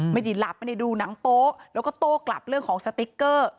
ไม่ได้หลับไม่ได้ดูหนังโป๊ะแล้วก็โต้กลับเรื่องของสติ๊กเกอร์